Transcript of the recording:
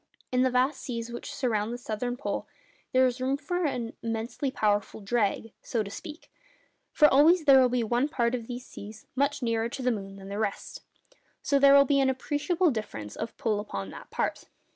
In the vast seas which surround the Southern Pole there is room for an immensely powerful 'drag,' so to speak; for always there will be one part of these seas much nearer to the moon than the rest, and so there will be an appreciable difference of pull upon that part.